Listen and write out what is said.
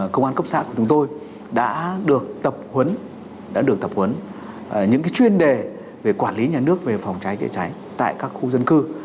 công an cấp xã của chúng tôi đã được tập huấn đã được tập huấn những chuyên đề về quản lý nhà nước về phòng cháy chữa cháy tại các khu dân cư